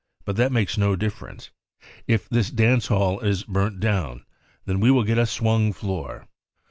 But that makes no difference. If this dance hall is burnt down, then we will get a swung I floor."